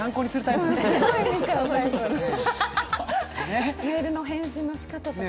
メールの返信の仕方とか。